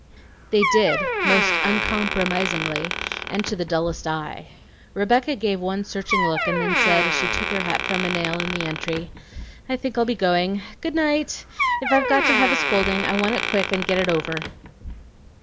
They did, most uncompromisingly, and to the dullest eye. Rebecca gave one searching look, and then said, as she took her hat from a nail in the entry, "I think I'll be going. Good night! If I've got to have a scolding, I want it quick, and get it over."